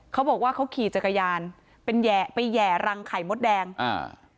เขาบอกว่าเขาขี่จักรยานเป็นแห่ไปแห่รังไข่มดแดงอ่า